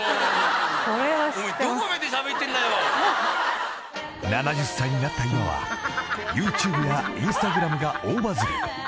「お前どこ見てしゃべってんだよ⁉」［７０歳になった今はＹｏｕＴｕｂｅやＩｎｓｔａｇｒａｍが大バズり］